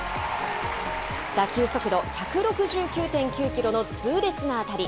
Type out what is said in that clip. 打球速度１６９．９キロの痛烈な当たり。